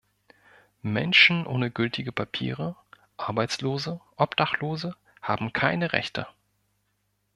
Menschen ohne gültige Papiere, Arbeitslose, Obdachlose haben keine Rechte.